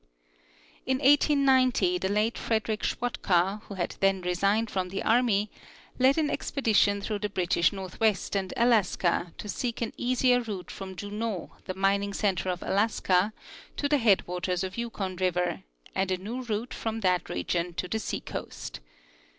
In 1890 the late Frederick Schwatka, who had then resigned from the army, led an expedition through the British north west and Alaska to seek an easier route from Juneau, the mining center of Alaska, to the head waters of Yukon river, and a new route from that region to the seacoast.